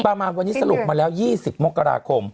ประมาณวันนี้สรุปมาแล้ว๒๐มกราคม